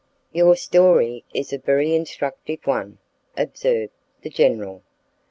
"Your story is a very instructive one," observed the general.